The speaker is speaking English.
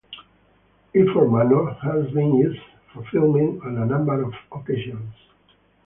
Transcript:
Iford Manor has been used for filming on a number of occasions.